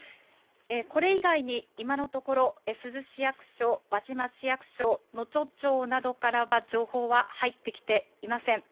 これ以外に、今のところ、珠洲市役所、輪島市役所、能登町などからは、情報は入ってきていません。